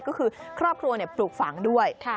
ก็คือครอบครัวปลูกฝังด้วย